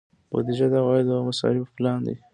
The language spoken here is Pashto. بودجه د عوایدو او مصارفو پلان دی